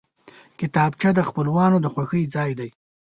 کتابچه د خپلوانو د خوښۍ ځای دی